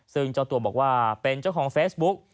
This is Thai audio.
ซึ่งเจ้าตัวบอกว่าเป็นเจ้าของเฟซบุ๊ก